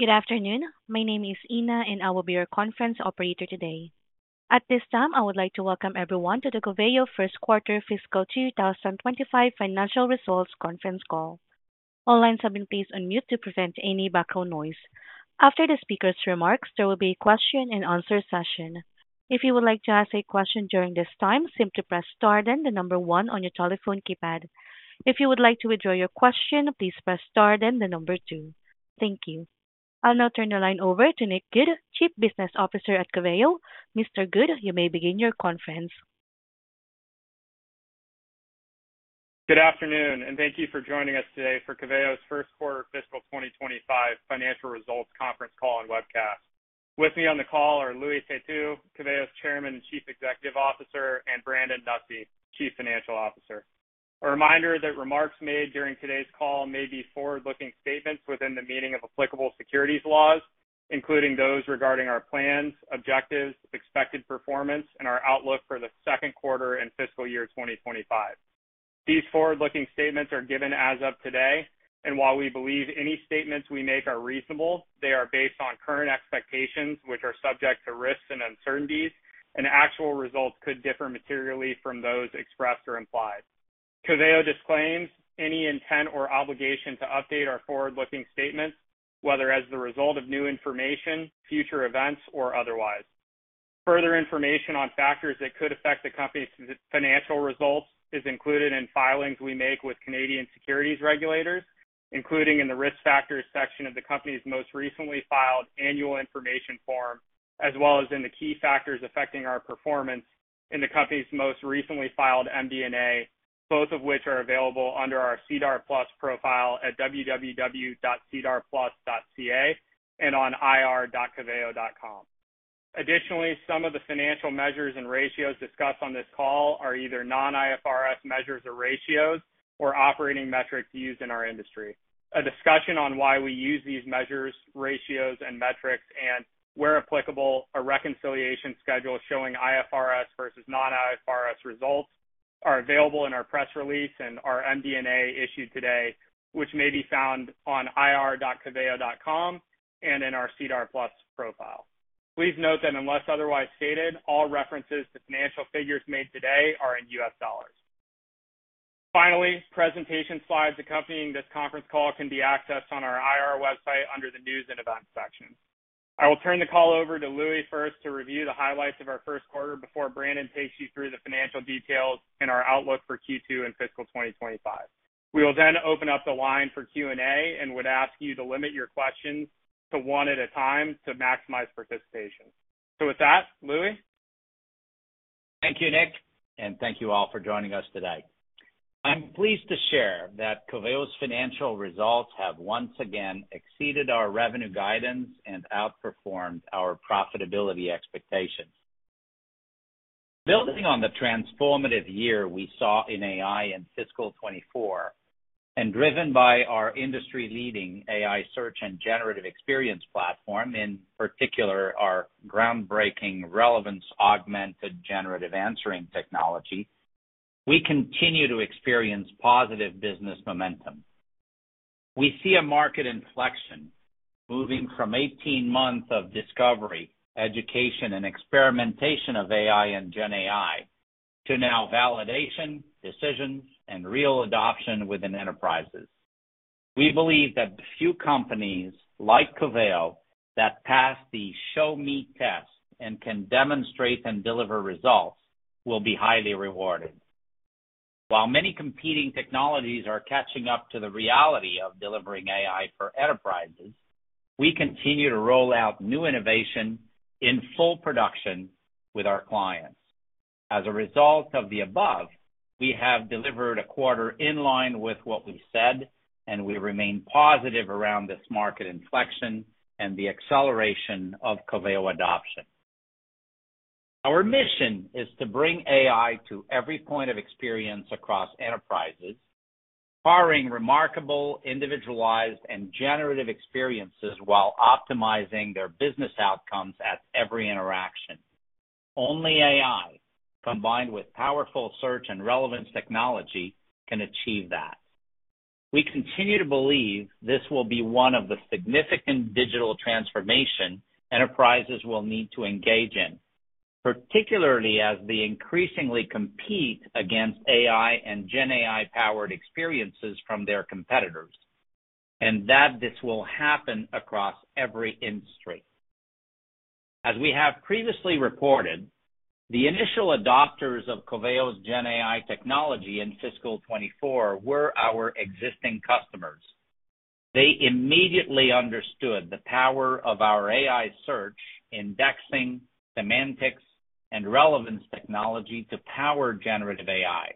Good afternoon. My name is Ina, and I will be your conference operator today. At this time, I would like to welcome everyone to the Coveo Solutions Q1 Fiscal 2025 Financial Results Conference Call. All lines have been placed on mute to prevent any background noise. After the speaker's remarks, there will be a question-and-answer session. If you would like to ask a question during this time, simply press star then the number one on your telephone keypad. If you would like to withdraw your question, please press star then the number two. Thank you. I'll now turn the line over to Nick Goode, Chief Business Officer at Coveo. Mr. Goode, you may begin your conference. Good afternoon, and thank you for joining us today for Coveo Solutions Inc.'s Fiscal 2025 Financial Results Conference Call and Webcast. With me on the call are Louis Têtu, Coveo Solutions Inc.'s Chairman and Chief Executive Officer, and Brandon Nussey, Chief Financial Officer. A reminder that remarks made during today's call may be forward-looking statements within the meaning of applicable securities laws, including those regarding our plans, objectives, expected performance, and our outlook for the Q2 and fiscal year 2025. These forward-looking statements are given as of today, and while we believe any statements we make are reasonable, they are based on current expectations, which are subject to risks and uncertainties, and actual results could differ materially from those expressed or implied. Coveo Solutions disclaims any intent or obligation to update our forward-looking statements, whether as the result of new information, future events, or otherwise. Further information on factors that could affect the company's financial results is included in filings we make with Canadian securities regulators, including in the risk factors section of the company's most recently filed annual information form, as well as in the key factors affecting our performance in the company's most recently filed MD&A, both of which are available under our SEDAR+ profile at www.sedarplus.ca and on www.coveo.com. Additionally, some of the financial measures and ratios discussed on this call are either non-IFRS measures or ratios or operating metrics used in our industry. A discussion on why we use these measures, ratios, and metrics, and where applicable, a reconciliation schedule showing IFRS versus non-IFRS results is available in our press release and our MD&A issued today, which may be found on ir.coveo.com and in our SEDAR+ profile. Please note that unless otherwise stated, all references to financial figures made today are in U.S. dollars. Finally, presentation slides accompanying this conference call can be accessed on our IR website under the news and events section. I will turn the call over to Louis first to review the highlights of our Q1 before Brandon takes you through the financial details and our outlook for Q2 and fiscal 2025. We will then open up the line for Q&A and would ask you to limit your questions to one at a time to maximize participation. So with that, Louis? Thank you, Nick, and thank you all for joining us today. I'm pleased to share that Coveo Solutions' financial results have once again exceeded our revenue guidance and outperformed our profitability expectations. Building on the transformative year we saw in AI in fiscal 2024, and driven by our industry-leading AI search and generative experience platform, in particular our groundbreaking relevance-augmented generative answering technology, we continue to experience positive business momentum. We see a market inflection moving from 18 months of discovery, education, and experimentation of AI and GenAI to now validation, decisions, and real adoption within enterprises. We believe that few companies like Coveo that pass the show-me test and can demonstrate and deliver results will be highly rewarded. While many competing technologies are catching up to the reality of delivering AI for enterprises, we continue to roll out new innovation in full production with our clients. As a result of the above, we have delivered a quarter in line with what we said, and we remain positive around this market inflection and the acceleration of Coveo Solutions adoption. Our mission is to bring AI to every point of experience across enterprises, offering remarkable, individualized, and generative experiences while optimizing their business outcomes at every interaction. Only AI, combined with powerful search and relevance technology, can achieve that. We continue to believe this will be one of the significant digital transformations enterprises will need to engage in, particularly as they increasingly compete against AI and GenAI-powered experiences from their competitors, and that this will happen across every industry. As we have previously reported, the initial adopters of Coveo Solutions GenAI technology in fiscal 2024 were our existing customers. They immediately understood the power of our AI search, indexing, semantics, and relevance technology to power generative AI,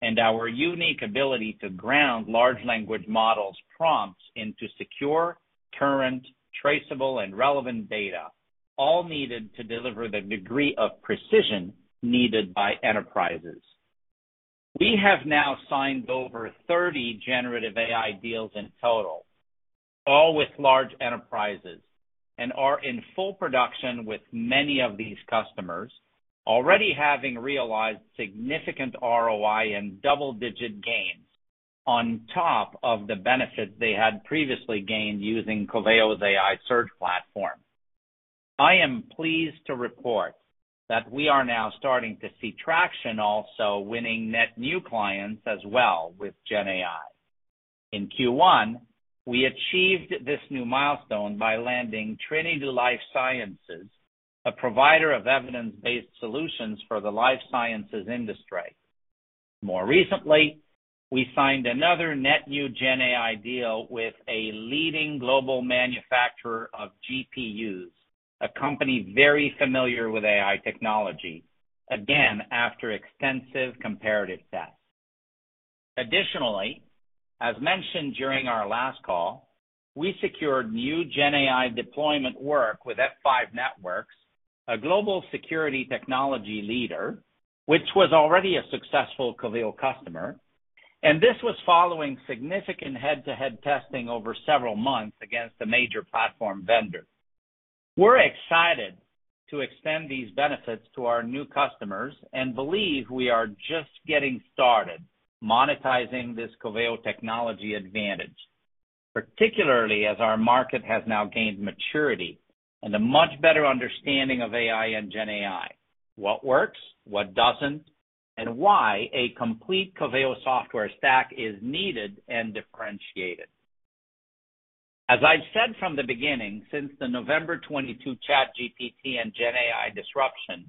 and our unique ability to ground large language model prompts into secure, current, traceable, and relevant data, all needed to deliver the degree of precision needed by enterprises. We have now signed over 30 generative AI deals in total, all with large enterprises, and are in full production with many of these customers, already having realized significant ROI and double-digit gains on top of the benefits they had previously gained using Coveo Solutions AI search platform. I am pleased to report that we are now starting to see traction, also winning net new clients as well with GenAI. In Q1, we achieved this new milestone by landing Trinity Life Sciences, a provider of evidence-based solutions for the life sciences industry. More recently, we signed another net new GenAI deal with a leading global manufacturer of GPUs, a company very familiar with AI technology, again after extensive comparative tests. Additionally, as mentioned during our last call, we secured new GenAI deployment work with F5 Networks, a global security technology leader, which was already a successful Coveo Solutions customer, and this was following significant head-to-head testing over several months against a major platform vendor. We're excited to extend these benefits to our new customers and believe we are just getting started monetizing this Coveo Solutions technology advantage, particularly as our market has now gained maturity and a much better understanding of AI and GenAI, what works, what doesn't, and why a complete Coveo Solutions software stack is needed and differentiated. As I've said from the beginning, since the November 2022 ChatGPT and GenAI disruption,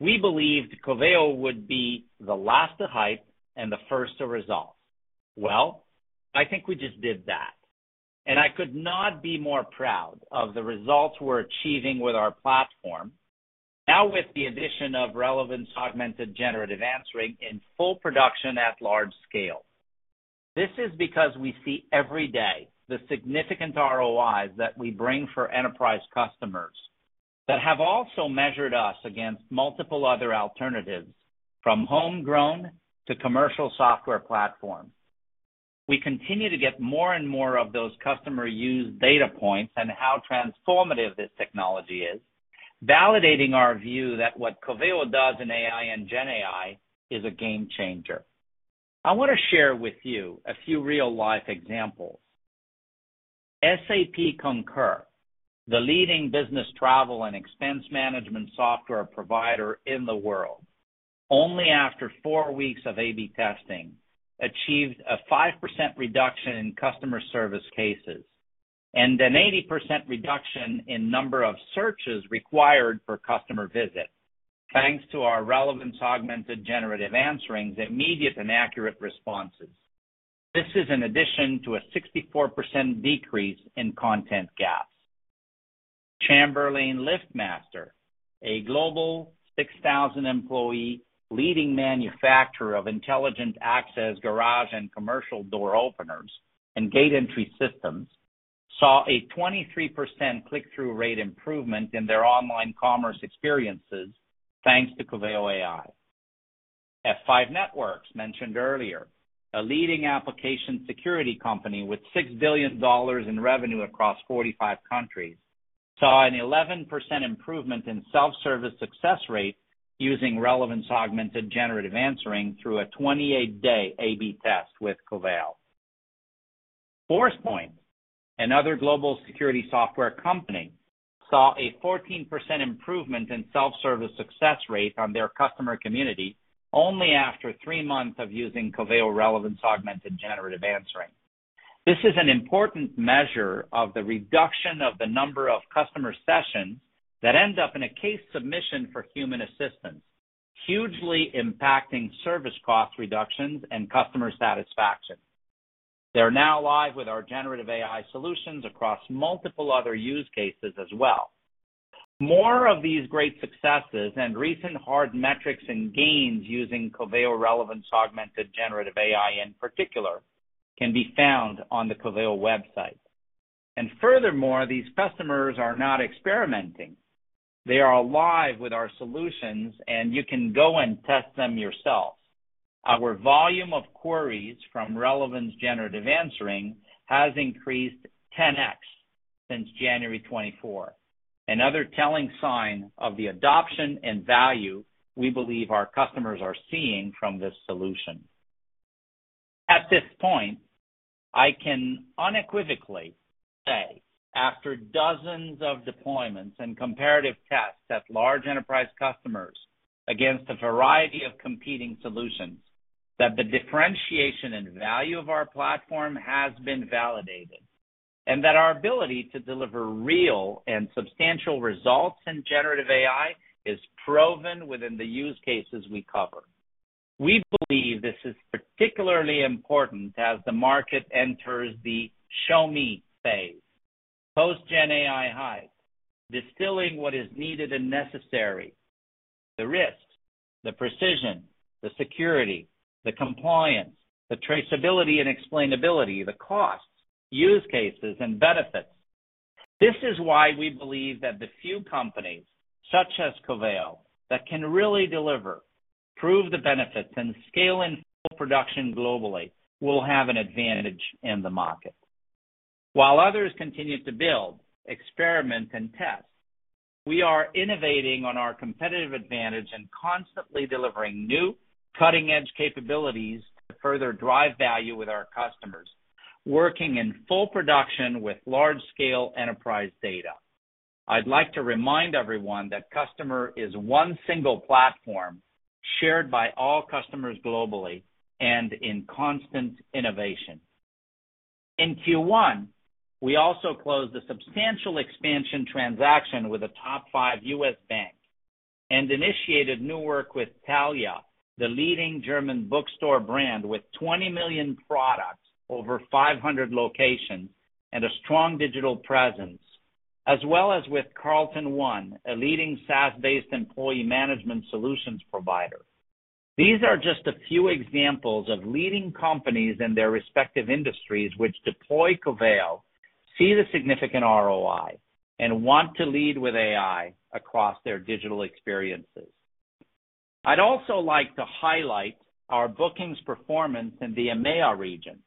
we believed Coveo Solutions would be the last to hype and the first to result. Well, I think we just did that, and I could not be more proud of the results we're achieving with our platform, now with the addition of relevance-augmented generative answering in full production at large scale. This is because we see every day the significant ROIs that we bring for enterprise customers that have also measured us against multiple other alternatives, from homegrown to commercial software platforms. We continue to get more and more of those customer use data points and how transformative this technology is, validating our view that what Coveo Solutions does in AI and GenAI is a game changer. I want to share with you a few real-life examples. SAP Concur, the leading business travel and expense management software provider in the world, only after four weeks of A/B testing, achieved a 5% reduction in customer service cases and an 80% reduction in number of searches required for customer visits, thanks to our relevance-augmented generative answering's immediate and accurate responses. This is in addition to a 64% decrease in content gaps. Chamberlain LiftMaster, a global 6,000-employee leading manufacturer of intelligent access garage and commercial door openers and gate entry systems, saw a 23% click-through rate improvement in their online commerce experiences, thanks to Coveo AI. F5 Networks, mentioned earlier, a leading application security company with $6 billion in revenue across 45 countries, saw an 11% improvement in self-service success rates using relevance-augmented generative answering through a 28-day A/B test with Coveo. Forcepoint, another global security software company, saw a 14% improvement in self-service success rates on their customer community only after three months of using Coveo Solutions relevance-augmented generative answering. This is an important measure of the reduction of the number of customer sessions that end up in a case submission for human assistance, hugely impacting service cost reductions and customer satisfaction. They're now live with our generative AI solutions across multiple other use cases as well. More of these great successes and recent hard metrics and gains using Coveo Solutions relevance-augmented generative AI in particular can be found on the Coveo Solutions website. And furthermore, these customers are not experimenting. They are live with our solutions, and you can go and test them yourself. Our volume of queries from Relevance Generative Answering has increased 10x since January 24, 2024, another telling sign of the adoption and value we believe our customers are seeing from this solution. At this point, I can unequivocally say, after dozens of deployments and comparative tests at large enterprise customers against a variety of competing solutions, that the differentiation and value of our platform has been validated and that our ability to deliver real and substantial results in generative AI is proven within the use cases we cover. We believe this is particularly important as the market enters the show-me phase, post-GenAI hype, distilling what is needed and necessary: the risk, the precision, the security, the compliance, the traceability and explainability, the costs, use cases, and benefits. This is why we believe that the few companies, such as Coveo Solutions, that can really deliver, prove the benefits, and scale in full production globally will have an advantage in the market. While others continue to build, experiment, and test, we are innovating on our competitive advantage and constantly delivering new cutting-edge capabilities to further drive value with our customers, working in full production with large-scale enterprise data. I'd like to remind everyone that Coveo is one single platform shared by all customers globally and in constant innovation. In Q1, we also closed a substantial expansion transaction with a top 5 U.S. bank and initiated new work with Thalia, the leading German bookstore brand with 20 million products over 500 locations and a strong digital presence, as well as with CarltonOne, a leading SaaS-based employee management solutions provider. These are just a few examples of leading companies in their respective industries which deploy Coveo, see the significant ROI, and want to lead with AI across their digital experiences. I'd also like to highlight our bookings performance in the EMEA region,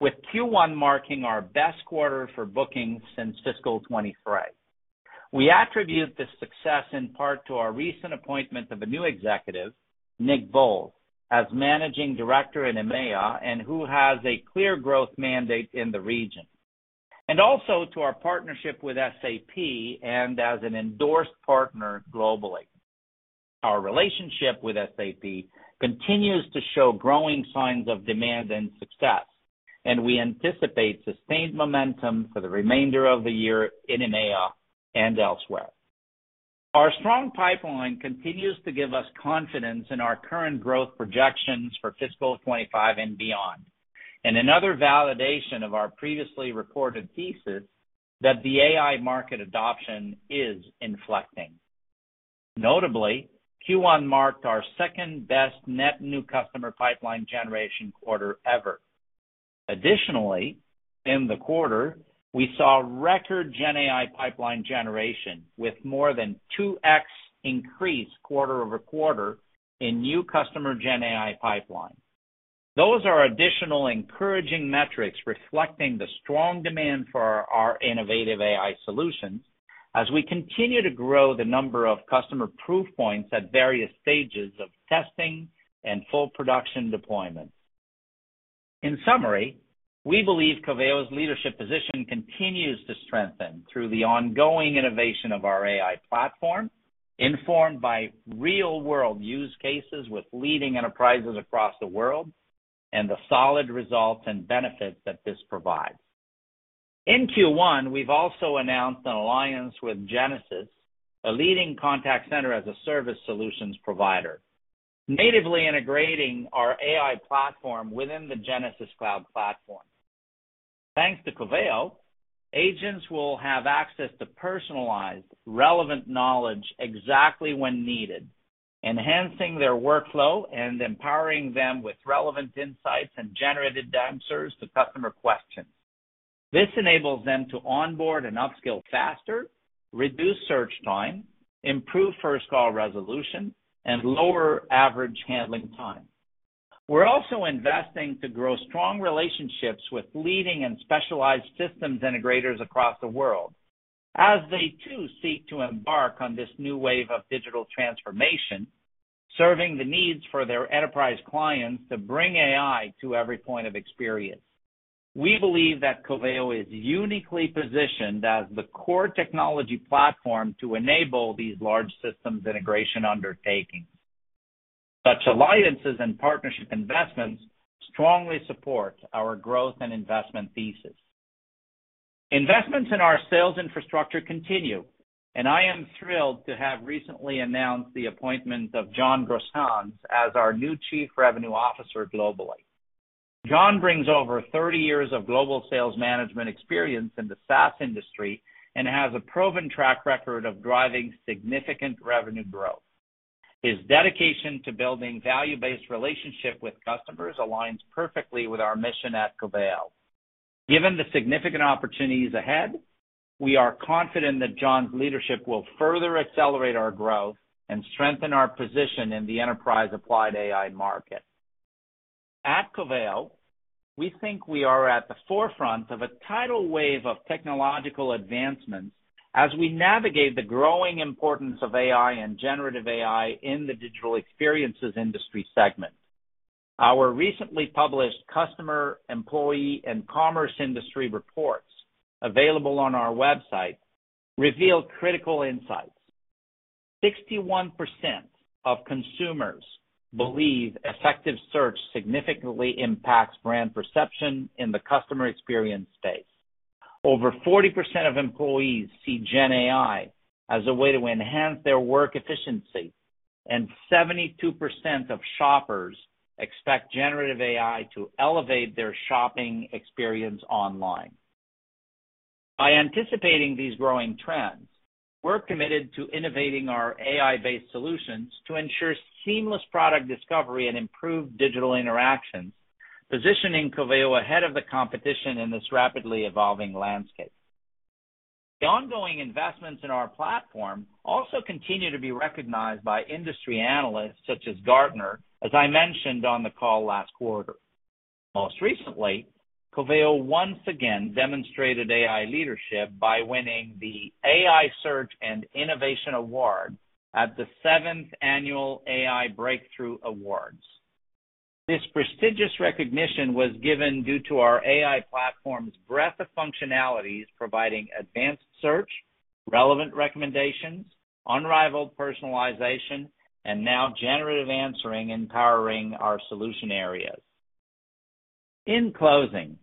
with Q1 marking our best quarter for bookings since fiscal 2023. We attribute this success in part to our recent appointment of a new executive, Nick Bowles, as managing director in EMEA and who has a clear growth mandate in the region, and also to our partnership with SAP and as an endorsed partner globally. Our relationship with SAP continues to show growing signs of demand and success, and we anticipate sustained momentum for the remainder of the year in EMEA and elsewhere. Our strong pipeline continues to give us confidence in our current growth projections for fiscal 2025 and beyond, and another validation of our previously recorded thesis that the AI market adoption is inflecting. Notably, Q1 marked our second best net new customer pipeline generation quarter ever. Additionally, in the quarter, we saw record GenAI pipeline generation with more than 2x increase quarter-over-quarter in new customer GenAI pipeline. Those are additional encouraging metrics reflecting the strong demand for our innovative AI solutions as we continue to grow the number of customer proof points at various stages of testing and full production deployment. In summary, we believe Coveo Solutions' leadership position continues to strengthen through the ongoing innovation of our AI platform, informed by real-world use cases with leading enterprises across the world and the solid results and benefits that this provides. In Q1, we've also announced an alliance with Genesys, a leading contact center as a service solutions provider, natively integrating our AI platform within the Genesys Cloud platform. Thanks to Coveo Solutions agents will have access to personalized, relevant knowledge exactly when needed, enhancing their workflow and empowering them with relevant insights and generated answers to customer questions. This enables them to onboard and upskill faster, reduce search time, improve first call resolution, and lower average handling time. We're also investing to grow strong relationships with leading and specialized systems integrators across the world as they too seek to embark on this new wave of digital transformation, serving the needs for their enterprise clients to bring AI to every point of experience. We believe that Coveo Solutions is uniquely positioned as the core technology platform to enable these large systems integration undertakings. Such alliances and partnership investments strongly support our growth and investment thesis. Investments in our sales infrastructure continue, and I am thrilled to have recently announced the appointment of John Grosshans as our new Chief Revenue Officer globally. John brings over 30 years of global sales management experience in the SaaS industry and has a proven track record of driving significant revenue growth. His dedication to building value-based relationships with customers aligns perfectly with our mission at Coveo. Given the significant opportunities ahead, we are confident that John's leadership will further accelerate our growth and strengthen our position in the enterprise-applied AI market. At Coveo Solutions, we think we are at the forefront of a tidal wave of technological advancement as we navigate the growing importance of AI and generative AI in the digital experiences industry segment. Our recently published customer, employee, and commerce industry reports available on our website reveal critical insights. 61% of consumers believe effective search significantly impacts brand perception in the customer experience state. Over 40% of employees see GenAI as a way to enhance their work efficiency, and 72% of shoppers expect generative AI to elevate their shopping experience online. By anticipating these growing trends, we're committed to innovating our AI-based solutions to ensure seamless product discovery and improved digital interaction, positioning Coveo Solutions ahead of the competition in this rapidly evolving landscape. The ongoing investments in our platform also continue to be recognized by industry analysts such as Gartner, as I mentioned on the call last quarter. Most recently, Coveo Solutions once again demonstrated AI leadership by winning the AI Search and Innovation Award at the 7th Annual AI Breakthrough Awards. This prestigious recognition was given due to our AI platform's breadth of functionalities, providing advanced search, relevant recommendations, unrivaled personalization, and now generative answering empowering our solution areas. In closing,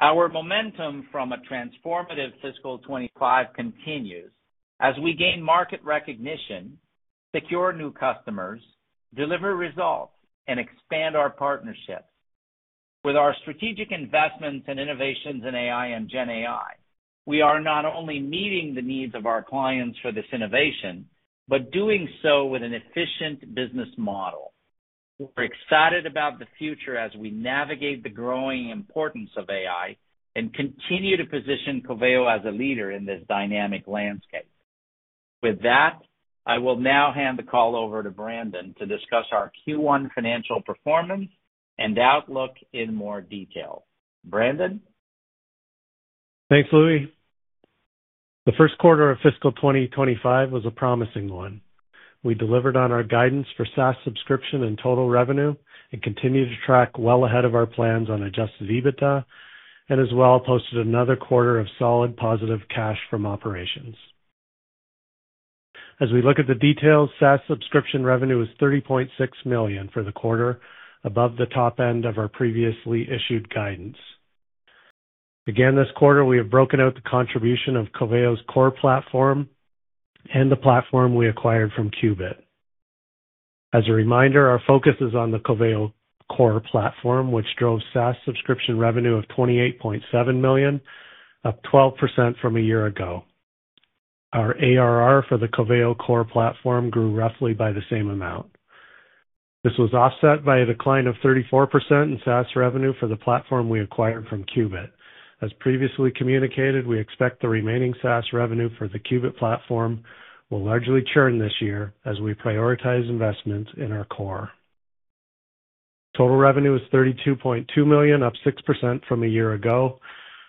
our momentum from a transformative fiscal 2025 continues as we gain market recognition, secure new customers, deliver results, and expand our partnerships. With our strategic investments and innovations in AI and GenAI, we are not only meeting the needs of our clients for this innovation, but doing so with an efficient business model. We're excited about the future as we navigate the growing importance of AI and continue to position Coveo Solutions as a leader in this dynamic landscape. With that, I will now hand the call over to Brandon to discuss our Q1 financial performance and outlook in more detail. Brandon? Thanks, Louie. The Q1 of Fiscal 2025 was a promising one. We delivered on our guidance for SaaS subscription and total revenue and continue to track well ahead of our plans on adjusted EBITDA, and as well posted another quarter of solid positive cash from operations. As we look at the details, SaaS subscription revenue was $30.6 million for the quarter, above the top end of our previously issued guidance. Again, this quarter, we have broken out the contribution of Coveo Solutions' core platform and the platform we acquired from Qubit. As a reminder, our focus is on the Coveo Solutions core platform, which drove SaaS subscription revenue of $28.7 million, up 12% from a year ago. Our ARR for the Coveo Solutions core platform grew roughly by the same amount. This was offset by a decline of 34% in SaaS revenue for the platform we acquired from Qubit. As previously communicated, we expect the remaining SaaS revenue for the Qubit platform will largely churn this year as we prioritize investments in our core. Total revenue was $32.2 million, up 6% from a year ago.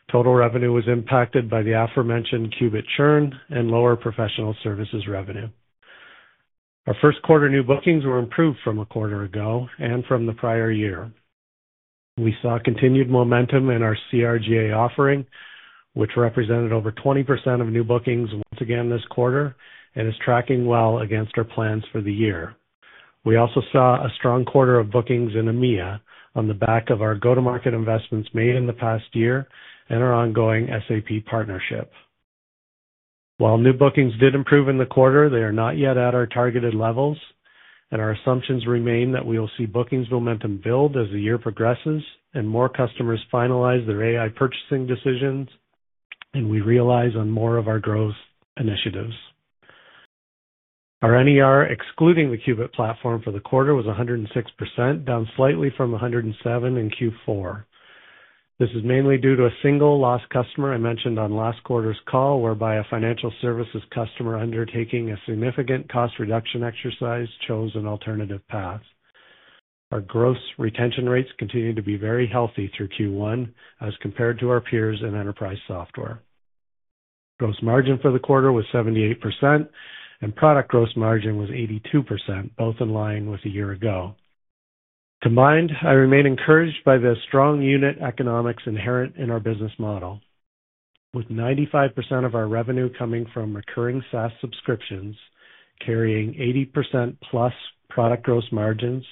Total revenue was impacted by the aforementioned Qubit churn and lower professional services revenue. Our Q1 new bookings were improved from a quarter ago and from the prior year. We saw continued momentum in our CRGA offering, which represented over 20% of new bookings once again this quarter and is tracking well against our plans for the year. We also saw a strong quarter of bookings in EMEA on the back of our go-to-market investments made in the past year and our ongoing SAP partnership. While new bookings did improve in the quarter, they are not yet at our targeted levels, and our assumptions remain that we will see bookings momentum build as the year progresses and more customers finalize their AI purchasing decisions, and we realize on more of our growth initiatives. Our NER excluding the Qubit platform for the quarter was 106%, down slightly from 107% in Q4. This is mainly due to a single lost customer I mentioned on last quarter's call whereby a financial services customer undertaking a significant cost reduction exercise chose an alternative path. Our gross retention rates continue to be very healthy through Q1 as compared to our peers in enterprise software. Gross margin for the quarter was 78%, and product gross margin was 82%, both in line with a year ago. Combined, I remain encouraged by the strong unit economics inherent in our business model, with 95% of our revenue coming from recurring SaaS subscriptions carrying 80%+ product gross margins,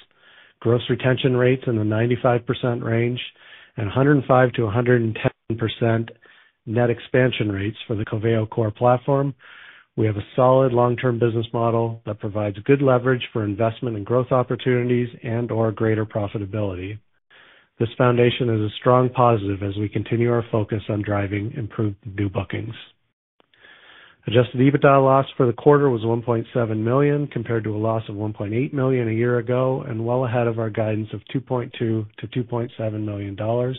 gross retention rates in the 95% range, and 105%-110% net expansion rates for the Coveo Solutions core platform. We have a solid long-term business model that provides good leverage for investment and growth opportunities and/or greater profitability. This foundation is a strong positive as we continue our focus on driving improved new bookings. Adjusted EBITDA loss for the quarter was $1.7 million compared to a loss of $1.8 million a year ago and well ahead of our guidance of $2.2 million-$2.7 million,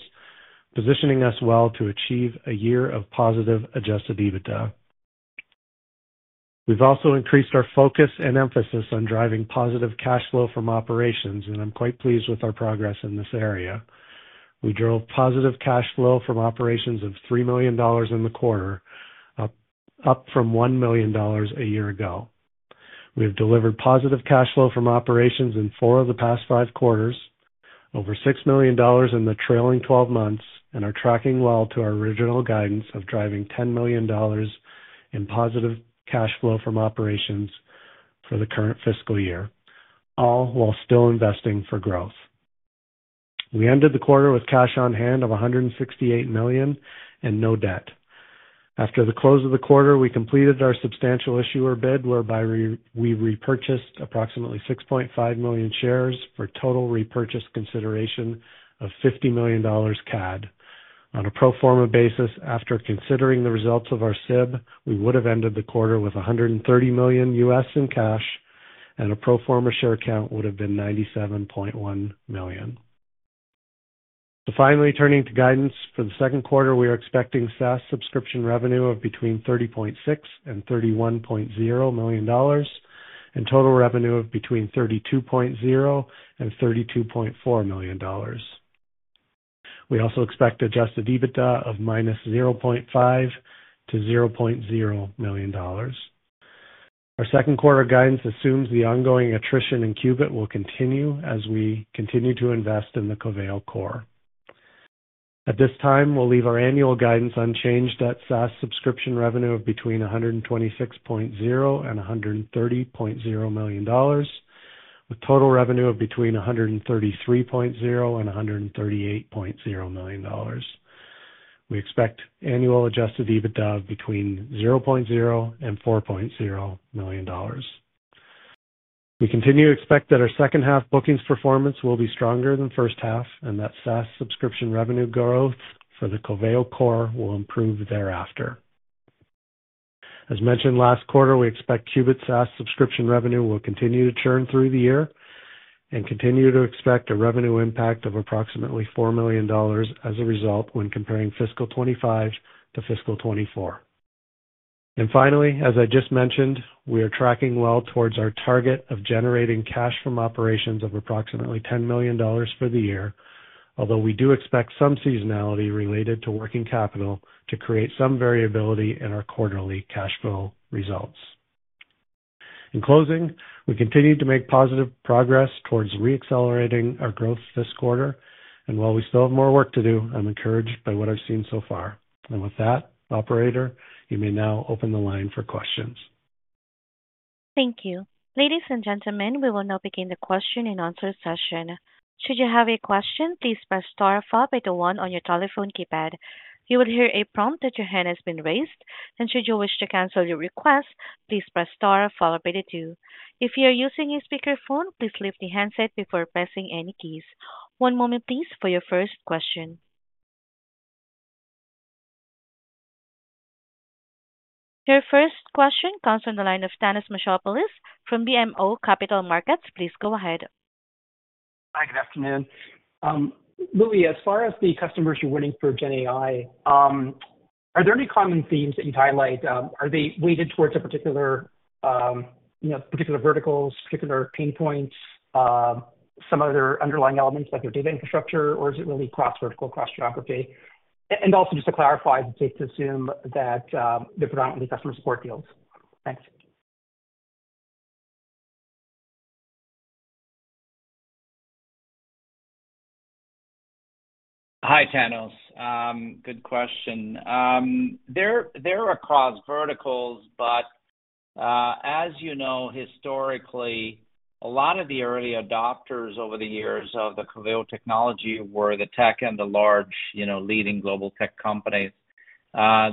positioning us well to achieve a year of positive adjusted EBITDA. We've also increased our focus and emphasis on driving positive cash flow from operations, and I'm quite pleased with our progress in this area. We drove positive cash flow from operations of $3 million in the quarter, up from $1 million a year ago. We have delivered positive cash flow from operations in four of the past five quarters, over $6 million in the trailing 12 months, and are tracking well to our original guidance of driving $10 million in positive cash flow from operations for the current fiscal year, all while still investing for growth. We ended the quarter with cash on hand of $168 million and no debt. After the close of the quarter, we completed our substantial issuer bid whereby we repurchased approximately 6.5 million shares for total repurchase consideration of 50 million CAD. On a pro forma basis, after considering the results of our SIB, we would have ended the quarter with $130 million in cash, and a pro forma share count would have been 97.1 million. Finally, turning to guidance for the Q2, we are expecting SaaS subscription revenue of between $30.6 and $31.0 million and total revenue of between $32.0 and $32.4 million. We also expect adjusted EBITDA of -$0.5 to $0.0 million. Our Q2 guidance assumes the ongoing attrition in Qubit will continue as we continue to invest in the Coveo Solutions core. At this time, we'll leave our annual guidance unchanged at SaaS subscription revenue of between $126.0 and $130.0 million, with total revenue of between $133.0 and $138.0 million. We expect annual adjusted EBITDA of between $0.0 and $4.0 million. We continue to expect that our second half bookings performance will be stronger than first half and that SaaS subscription revenue growth for the Coveo Solutions core will improve thereafter. As mentioned last quarter, we expect Qubit SaaS subscription revenue will continue to churn through the year and continue to expect a revenue impact of approximately $4 million as a result when comparing fiscal 2025 to fiscal 2024. Finally, as I just mentioned, we are tracking well towards our target of generating cash from operations of approximately $10 million for the year, although we do expect some seasonality related to working capital to create some variability in our quarterly cash flow results. In closing, we continue to make positive progress towards re-accelerating our growth this quarter, and while we still have more work to do, I'm encouraged by what I've seen so far. And with that, Operator, you may now open the line for questions. Thank you. Ladies and gentlemen, we will now begin the Q&A session. Should you have a question, please press star one on your telephone keypad. You will hear a prompt that your hand has been raised, and should you wish to cancel your request, please press star two. If you are using a speakerphone, please lift the handset before pressing any keys. One moment, please, for your first question. Your first question comes from the line of Thanos Moschopoulos from BMO Capital Markets. Please go ahead. Hi, good afternoon. Louie, as far as the customers you're winning for GenAI, are there any common themes that you'd highlight? Are they weighted towards a particular, you know, particular verticals, particular pain points, some other underlying elements like your data infrastructure, or is it really cloud vertical, cloud geography? And also just to clarify, it's safe to assume that they're providing any customer support deals. Thanks. Hi, Thanos. Good question. They're across verticals, but as you know, historically, a lot of the early adopters over the years of the Coveo technology were the tech and the large, you know, leading global tech companies.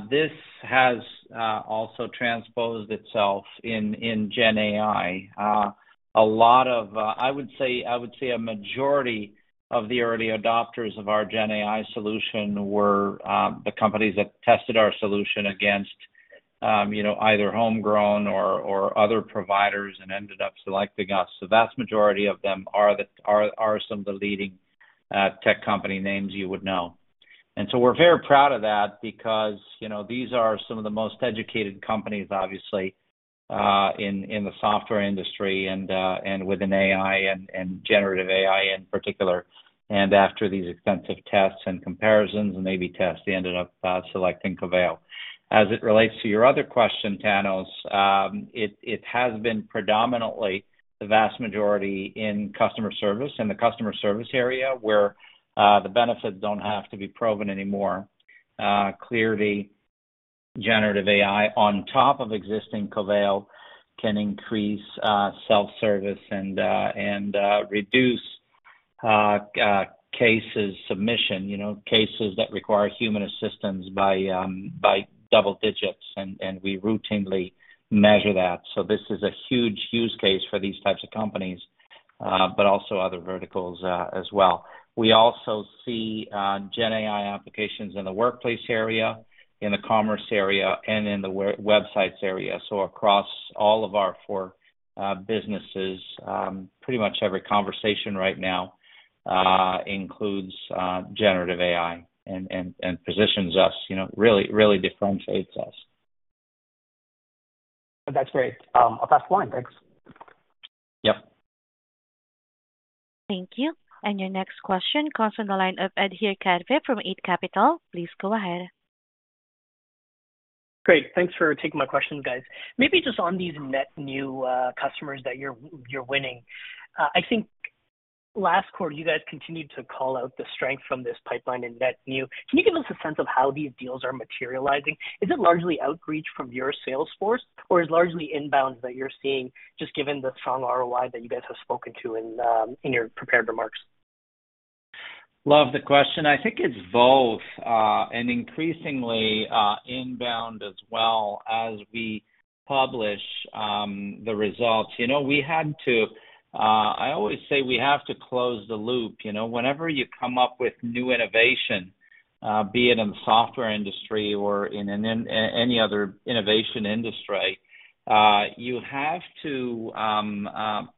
This has also transposed itself in GenAI. A lot of, I would say, I would say a majority of the early adopters of our GenAI solution were the companies that tested our solution against, you know, either homegrown or other providers and ended up selecting us. The vast majority of them are some of the leading tech company names you would know. And so we're very proud of that because, you know, these are some of the most educated companies, obviously, in the software industry and within AI and generative AI in particular. And after these extensive tests and comparisons and A/B tests, they ended up selecting Coveo. As it relates to your other question, Thanos, it has been predominantly the vast majority in customer service and the customer service area where the benefits don't have to be proven anymore. Clearly, generative AI on top of existing Coveo can increase self-service and reduce cases submission, you know, cases that require human assistance by double digits, and we routinely measure that. So this is a huge use case for these types of companies, but also other verticals as well. We also see GenAI applications in the workplace area, in the commerce area, and in the websites area. So across all of our four businesses, pretty much every conversation right now includes generative AI and positions us, you know, really, really differentiates us. That's great. I'll pass the line. Thanks. Yep. Thank you. And your next question comes from the line of Adhir Kadve from Eight Capital. Please go ahead. Great. Thanks for taking my question, guys. Maybe just on these net new customers that you're winning. I think last quarter, you guys continued to call out the strength from this pipeline and net new. Can you give us a sense of how these deals are materializing? Is it largely outreach from your sales force, or is it largely inbound that you're seeing, just given the strong ROI that you guys have spoken to in your prepared remarks? Love the question. I think it's both and increasingly inbound as well as we publish the results. You know, we had to, I always say we have to close the loop. You know, whenever you come up with new innovation, be it in the software industry or in any other innovation industry, you have to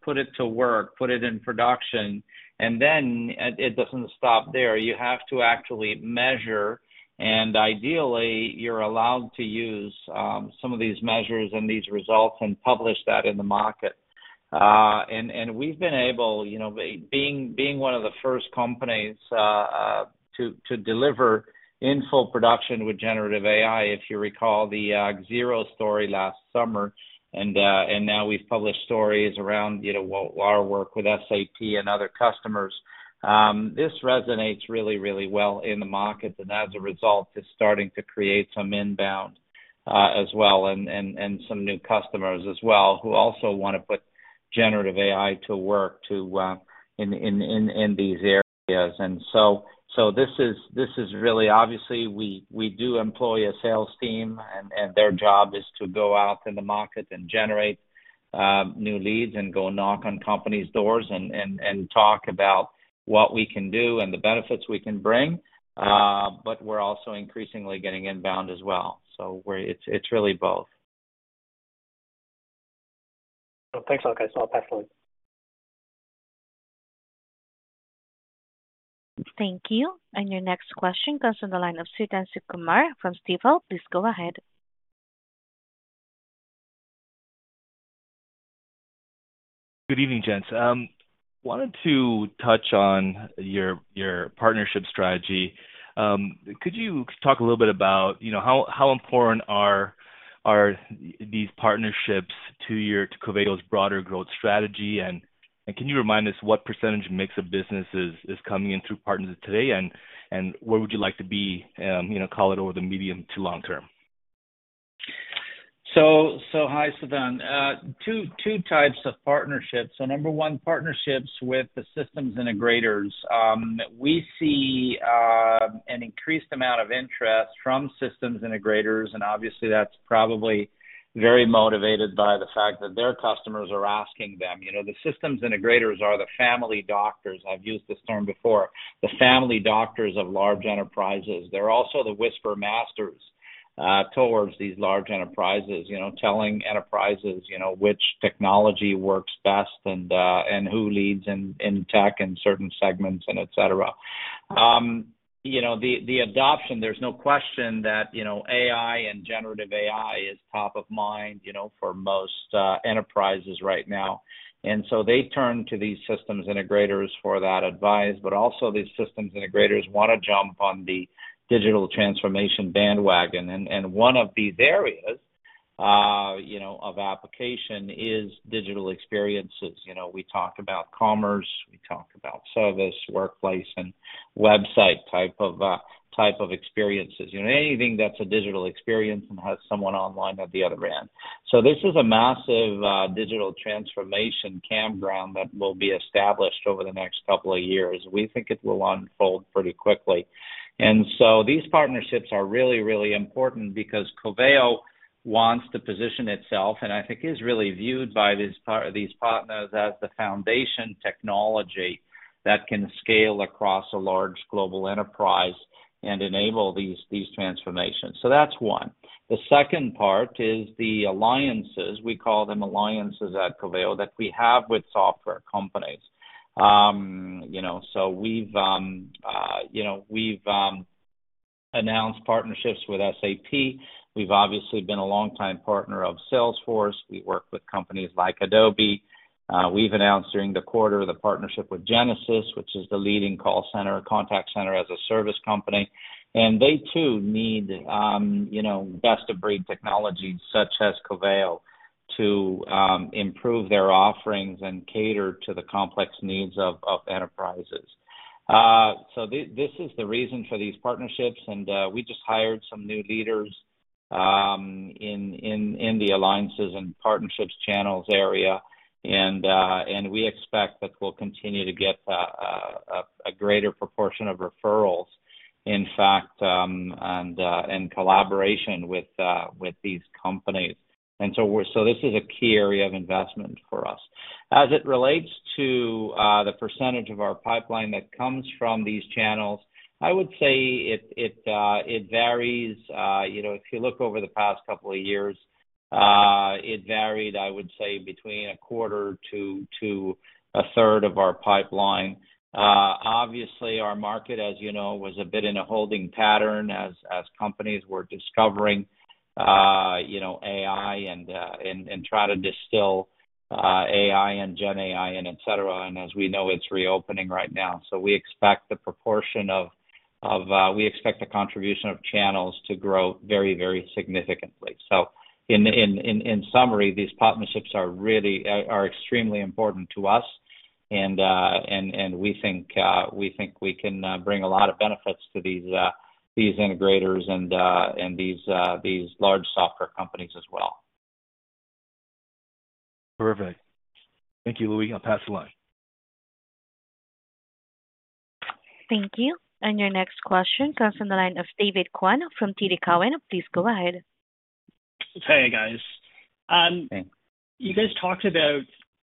put it to work, put it in production, and then it doesn't stop there. You have to actually measure, and ideally, you're allowed to use some of these measures and these results and publish that in the market. And we've been able, you know, being one of the first companies to deliver in full production with generative AI, if you recall the Xero story last summer, and now we've published stories around, you know, our work with SAP and other customers. This resonates really, really well in the market, and as a result, it's starting to create some inbound as well and some new customers as well who also want to put generative AI to work in these areas. And so this is really, obviously, we do employ a sales team, and their job is to go out in the market and generate new leads and go knock on companies' doors and talk about what we can do and the benefits we can bring. But we're also increasingly getting inbound as well. So it's really both. Thanks, Marco. I'll pass the line. Thank you. And your next question comes from the line of Suthan Sukumar from Stifel. Please go ahead. Good evening, gents. I wanted to touch on your partnership strategy. Could you talk a little bit about, you know, how important are these partnerships to Coveo's broader growth strategy? And can you remind us what percentage mix of businesses is coming in through partners today, and where would you like to be, you know, call it over the medium to long term? So, hi, Sudhanshu. Two types of partnerships. So number one, partnerships with the systems integrators. We see an increased amount of interest from systems integrators, and obviously, that's probably very motivated by the fact that their customers are asking them. You know, the systems integrators are the family doctors. I've used this term before. The family doctors of large enterprises. They're also the whisper masters towards these large enterprises, you know, telling enterprises, you know, which technology works best and who leads in tech and certain segments and etc. You know, the adoption, there's no question that, you know, AI and generative AI is top of mind, you know, for most enterprises right now. And so they've turned to these systems integrators for that advice, but also these systems integrators want to jump on the digital transformation bandwagon. And one of these areas, you know, of application is digital experiences. You know, we talk about commerce, we talk about service, workplace, and website type of experiences. You know, anything that's a digital experience and has someone online at the other end. So this is a massive digital transformation campaign that will be established over the next couple of years. We think it will unfold pretty quickly. And so these partnerships are really, really important because Coveo wants to position itself, and I think is really viewed by these partners as the foundation technology that can scale across a large global enterprise and enable these transformations. So that's one. The second part is the alliances. We call them alliances at Coveo that we have with software companies. You know, so we've, you know, we've announced partnerships with SAP. We've obviously been a long-time partner of Salesforce. We work with companies like Adobe. We've announced during the quarter the partnership with Genesys, which is the leading call center, contact center as a service company. And they too need, you know, best of breed technology such as Coveo to improve their offerings and cater to the complex needs of enterprises. So this is the reason for these partnerships, and we just hired some new leaders in the alliances and partnerships channels area, and we expect that we'll continue to get a greater proportion of referrals, in fact, and collaboration with these companies. And so this is a key area of investment for us. As it relates to the percentage of our pipeline that comes from these channels, I would say it varies. You know, if you look over the past couple of years, it varied, I would say, between a quarter to a third of our pipeline. Obviously, our market, as you know, was a bit in a holding pattern as companies were discovering, you know, AI and trying to distill AI and GenAI and etc. And as we know, it's reopening right now. So we expect the proportion of, we expect the contribution of channels to grow very, very significantly. So in summary, these partnerships are really extremely important to us, and we think we can bring a lot of benefits to these integrators and these large software companies as well. Perfect. Thank you, Louie. I'll pass the line. Thank you. And your next question comes from the line of David Quan from TD Cowen. Please go ahead. Hey, guys. You guys talked about,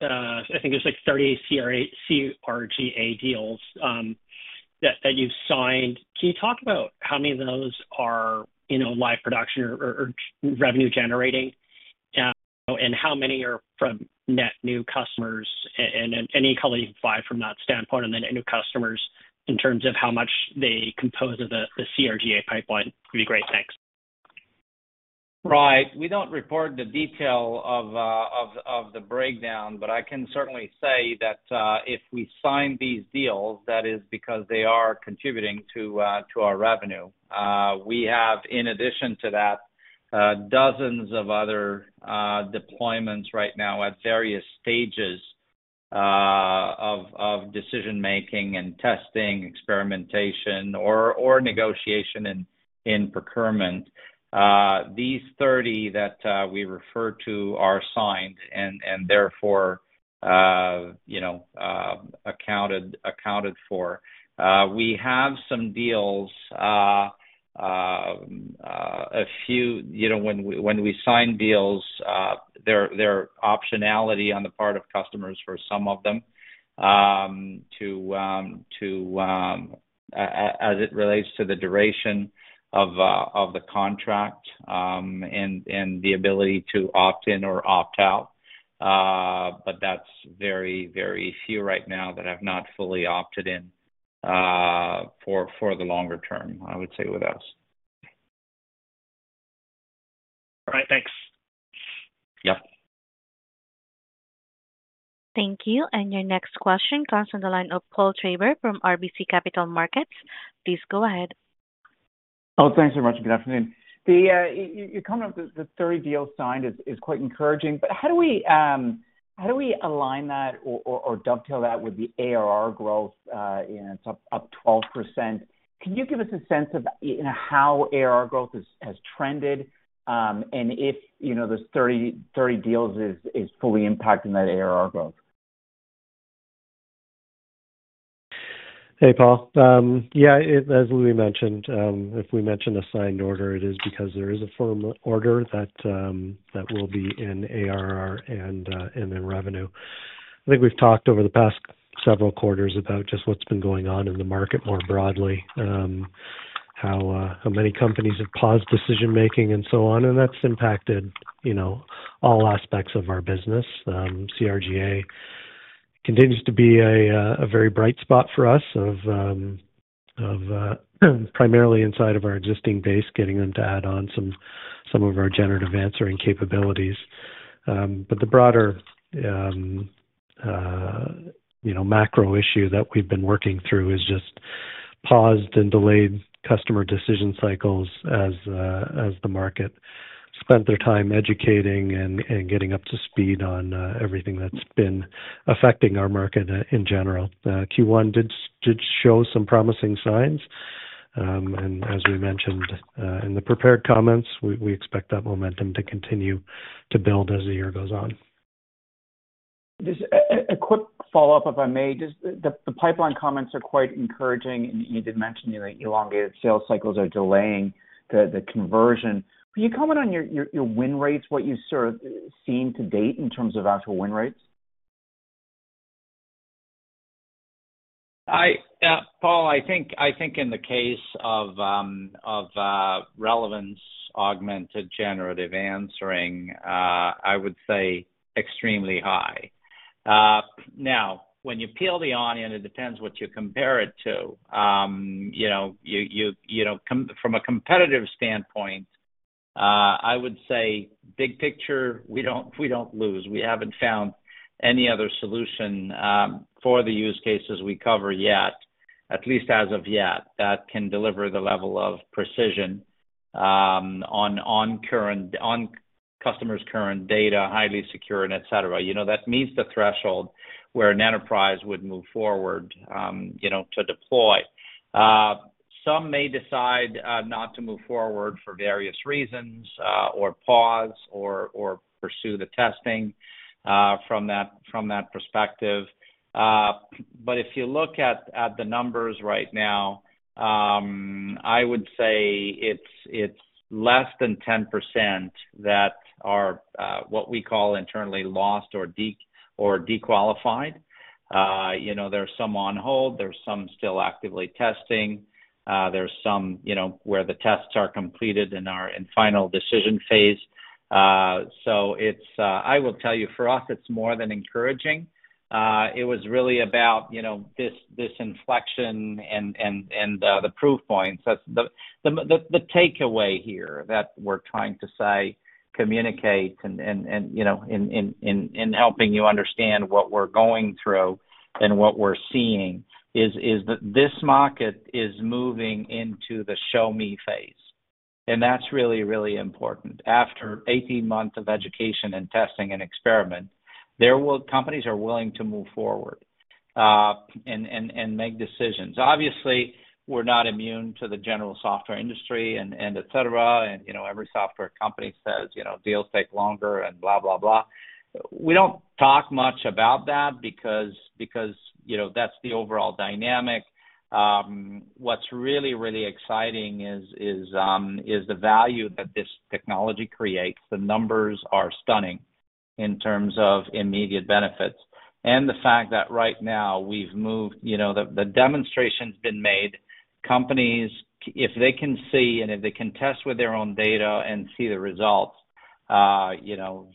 I think it's like 30 CRGA deals that you've signed. Can you talk about how many of those are, you know, live production or revenue-generating? And how many are from net new customers and any colleagues buy from that standpoint and the net new customers in terms of how much they compose of the CRGA pipeline? It'd be great. Thanks. Right. We don't record the detail of the breakdown, but I can certainly say that if we sign these deals, that is because they are contributing to our revenue. We have, in addition to that, dozens of other deployments right now at various stages of decision-making and testing, experimentation, or negotiation in procurement. These 30 that we refer to are signed and therefore, you know, accounted for. We have some deals, a few, you know, when we sign deals, there are optionality on the part of customers for some of them to, as it relates to the duration of the contract and the ability to opt in or opt out. But that's very, very few right now that have not fully opted in for the longer term, I would say with us. All right. Thanks. Yeah. Thank you. And your next question comes from the line of Paul Treiber from RBC Capital Markets. Please go ahead. Oh, thanks very much. Good afternoon. The comment of the 30 deals signed is quite encouraging. But how do we align that or dovetail that with the ARR growth? It's up 12%. Can you give us a sense of how ARR growth has trended and if, you know, this 30 deals is fully impacting that ARR growth? Hey, Paul. Yeah, as Louis mentioned, if we mention a signed order, it is because there is a firm order that will be in ARR and in revenue. I think we've talked over the past several quarters about just what's been going on in the market more broadly, how many companies have paused decision-making and so on, and that's impacted, you know, all aspects of our business. CRGA continues to be a very bright spot for us of primarily inside of our existing base, getting them to add on some of our generative answering capabilities. But the broader, you know, macro issue that we've been working through is just paused and delayed customer decision cycles as the market spent their time educating and getting up to speed on everything that's been affecting our market in general. Q1 did show some promising signs. As we mentioned in the prepared comments, we expect that momentum to continue to build as the year goes on. Just a quick follow-up, if I may, just the pipeline comments are quite encouraging. You did mention your elongated sales cycles are delaying the conversion. Can you comment on your win rates, what you've seen to date in terms of actual win rates? Paul, I think in the case of relevance-augmented generative answering, I would say extremely high. Now, when you peel the onion, it depends what you compare it to. You know, from a competitive standpoint, I would say big picture, we don't lose. We haven't found any other solution for the use cases we cover yet, at least as of yet, that can deliver the level of precision on customers' current data, highly secure, and etc. You know, that meets the threshold where an enterprise would move forward, you know, to deploy. Some may decide not to move forward for various reasons or pause or pursue the testing from that perspective. But if you look at the numbers right now, I would say it's less than 10% that are what we call internally lost or dequalified. You know, there's some on hold, there's some still actively testing, there's some, you know, where the tests are completed and are in final decision phase. So I will tell you, for us, it's more than encouraging. It was really about, you know, this inflection and the proof points. The takeaway here that we're trying to say, communicate, and, you know, in helping you understand what we're going through and what we're seeing is that this market is moving into the show-me phase. And that's really, really important. After 18 months of education and testing and experiment, companies are willing to move forward and make decisions. Obviously, we're not immune to the general software industry and etc. And, you know, every software company says, you know, deals take longer and blah, blah, blah. We don't talk much about that because, you know, that's the overall dynamic. What's really, really exciting is the value that this technology creates. The numbers are stunning in terms of immediate benefits. And the fact that right now we've moved, you know, the demonstration's been made. Companies, if they can see and if they can test with their own data and see the results, you know,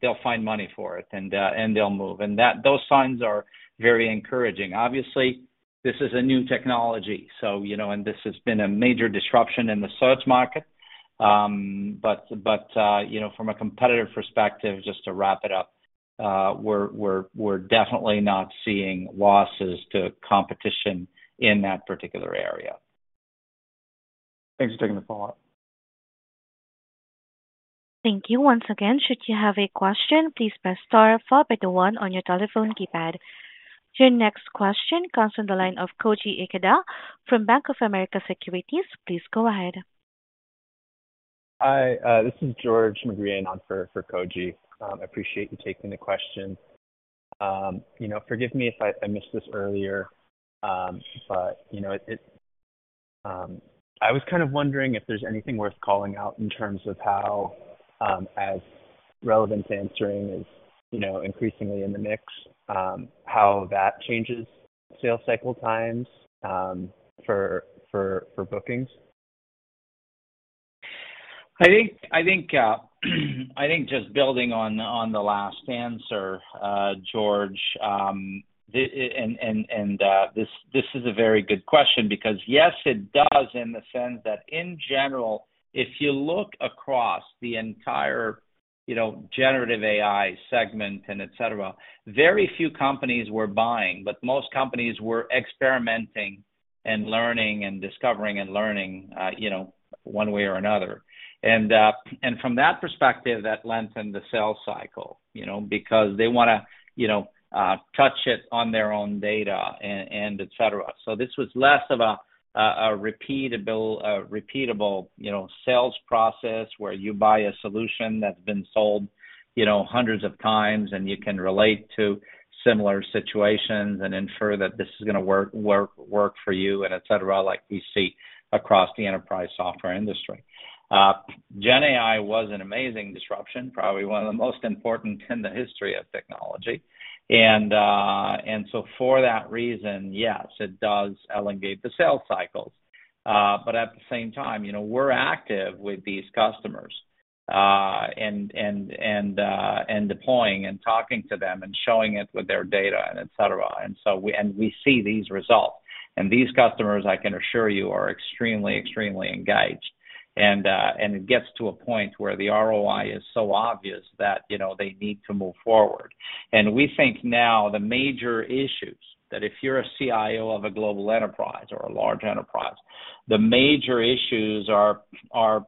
they'll find money for it and they'll move. And those signs are very encouraging. Obviously, this is a new technology. So, you know, and this has been a major disruption in the search market. But you know, from a competitive perspective, just to wrap it up, we're definitely not seeing losses to competition in that particular area. Thanks for taking the call. Thank you once again. Should you have a question, please press star one on your telephone keypad. Your next question comes from the line of Koji Ikeda from Bank of America Securities. Please go ahead. Hi, this is George McGreehan for Koji. I appreciate you taking the question. You know, forgive me if I missed this earlier, but you know, I was kind of wondering if there's anything worth calling out in terms of how, as relevance answering is you know increasingly in the mix, how that changes sales cycle times for bookings. I think just building on the last answer, George, and this is a very good question because yes, it does in the sense that in general, if you look across the entire, you know, generative AI segment and etc., very few companies were buying, but most companies were experimenting and learning and discovering and learning, you know, one way or another. From that perspective, that lengthened the sales cycle, you know, because they want to, you know, touch it on their own data and etc. This was less of a repeatable, you know, sales process where you buy a solution that's been sold, you know, hundreds of times and you can relate to similar situations and infer that this is going to work for you and etc., like we see across the enterprise software industry. GenAI was an amazing disruption, probably one of the most important in the history of technology. And so for that reason, yes, it does elongate the sales cycle. But at the same time, you know, we're active with these customers and deploying and talking to them and showing it with their data and etc. And so we see these results. And these customers, I can assure you, are extremely, extremely engaged. And it gets to a point where the ROI is so obvious that, you know, they need to move forward. And we think now the major issues that if you're a CIO of a global enterprise or a large enterprise, the major issues are,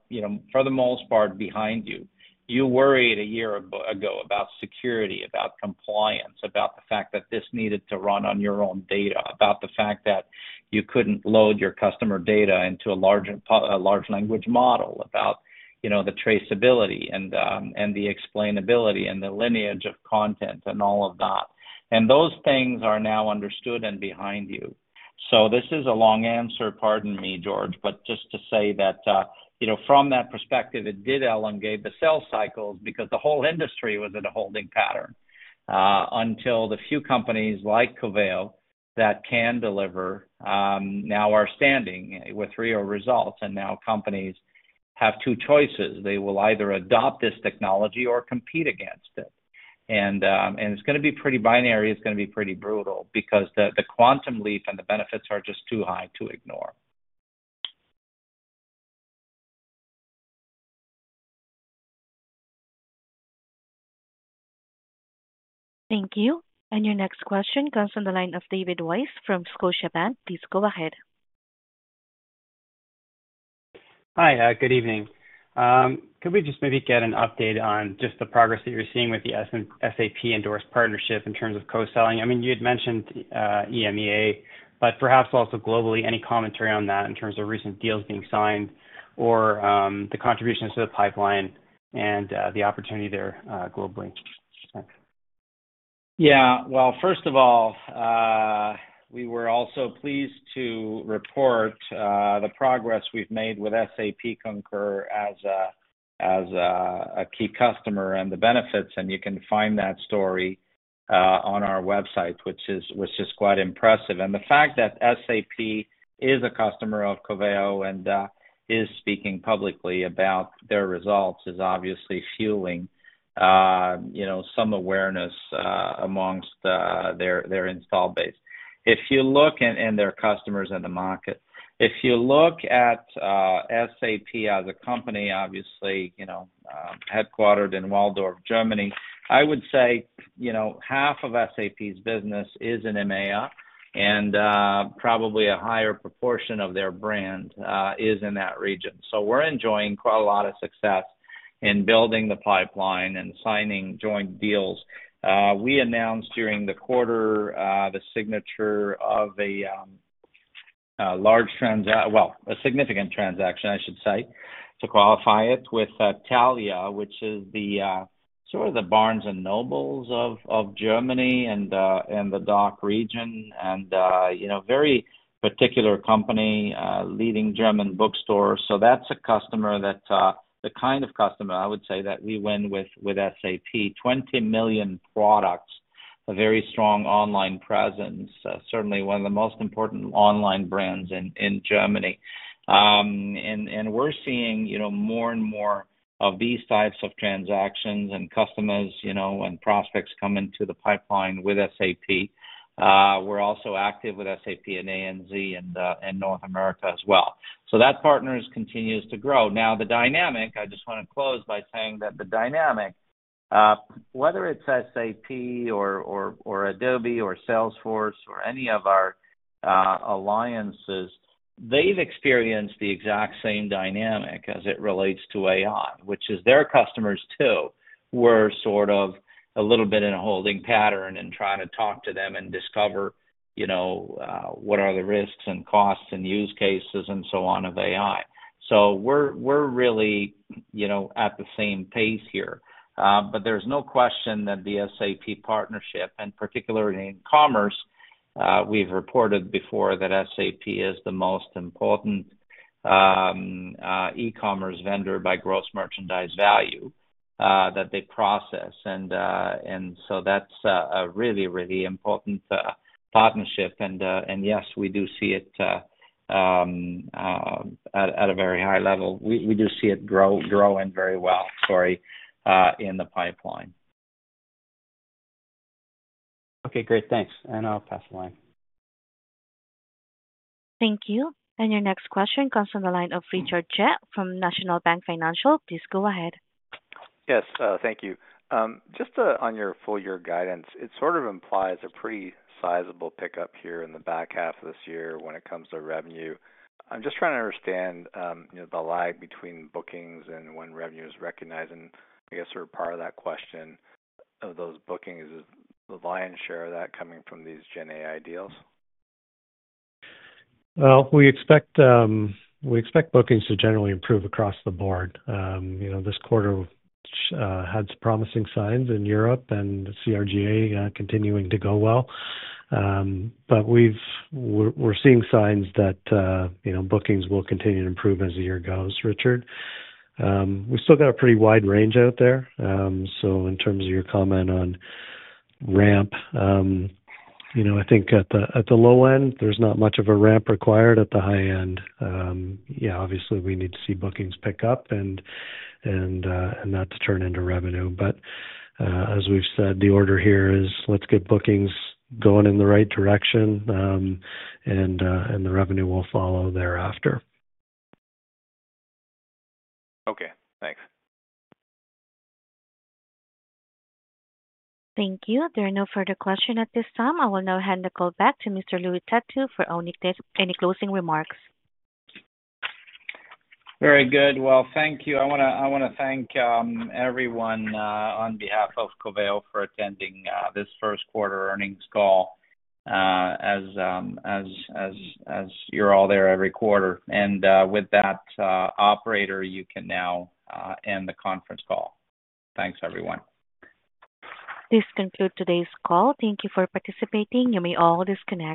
you know, for the most part behind you. You worried a year ago about security, about compliance, about the fact that this needed to run on your own data, about the fact that you couldn't load your customer data into a large language model, about, you know, the traceability and the explainability and the lineage of content and all of that. And those things are now understood and behind you. So this is a long answer, pardon me, George, but just to say that, you know, from that perspective, it did elongate the sales cycle because the whole industry was in a holding pattern until the few companies like Coveo that can deliver now are standing with real results. And now companies have two choices. They will either adopt this technology or compete against it. And it's going to be pretty binary. It's going to be pretty brutal because the quantum leap and the benefits are just too high to ignore. Thank you. And your next question comes from the line of David Weiss from Scotiabank. Please go ahead. Hi, good evening. Could we just maybe get an update on just the progress that you're seeing with the SAP Endorsed Partnership in terms of co-selling? I mean, you had mentioned EMEA, but perhaps also globally, any commentary on that in terms of recent deals being signed or the contributions to the pipeline and the opportunity there globally? Thanks. Yeah, well, first of all, we were also pleased to report the progress we've made with SAP Concur as a key customer and the benefits. And you can find that story on our website, which is just quite impressive. The fact that SAP is a customer of Coveo and is speaking publicly about their results is obviously fueling, you know, some awareness amongst their install base. If you look at their customers in the market, if you look at SAP as a company, obviously, you know, headquartered in Waldorf, Germany, I would say, you know, half of SAP's business is in EMEA and probably a higher proportion of their brand is in that region. So we're enjoying quite a lot of success in building the pipeline and signing joint deals. We announced during the quarter the signature of a large transaction, well, a significant transaction, I should say, to qualify it with Thalia, which is sort of the Barnes & Noble of Germany and the DAC region and, you know, very particular company, leading German bookstore. So that's a customer, the kind of customer I would say that we went with SAP, 20 million products, a very strong online presence, certainly one of the most important online brands in Germany. And we're seeing, you know, more and more of these types of transactions and customers, you know, and prospects come into the pipeline with SAP. We're also active with SAP in ANZ and North America as well. So that partnership continues to grow. Now, the dynamic. I just want to close by saying that the dynamic, whether it's SAP or Adobe or Salesforce or any of our alliances, they've experienced the exact same dynamic as it relates to AI, which is their customers too were sort of a little bit in a holding pattern and trying to talk to them and discover, you know, what are the risks and costs and use cases and so on of AI. So we're really, you know, at the same pace here. But there's no question that the SAP partnership and particularly in commerce, we've reported before that SAP is the most important e-commerce vendor by gross merchandise value that they process. And so that's a really, really important partnership. And yes, we do see it at a very high level. We do see it growing very well, sorry, in the pipeline. Okay, great. Thanks. And I'll pass the line. Thank you. And your next question comes from the line of Richard Tse from National Bank Financial. Please go ahead. Yes, thank you. Just on your full year guidance, it sort of implies a pretty sizable pickup here in the back half of this year when it comes to revenue. I'm just trying to understand, you know, the lag between bookings and when revenue is recognized. And I guess sort of part of that question of those bookings is the lion's share of that coming from these GenAI deals? Well, we expect bookings to generally improve across the board. You know, this quarter had some promising signs in Europe and CRGA continuing to go well. But we're seeing signs that, you know, bookings will continue to improve as the year goes, Richard. We've still got a pretty wide range out there. So in terms of your comment on ramp, you know, I think at the low end, there's not much of a ramp required. At the high end, yeah, obviously we need to see bookings pick up and that to turn into revenue. But as we've said, the order here is let's get bookings going in the right direction and the revenue will follow thereafter. Okay, thanks. Thank you. There are no further questions at this time. I will now hand the call back to Mr. Louis Têtu for any closing remarks. Very good. Well, thank you. I want to thank everyone on behalf of Coveo for attending this Q1 earnings call as you're all there every quarter. And with that, operator, you can now end the conference call. Thanks, everyone. This concludes today's call. Thank you for participating. You may all disconnect.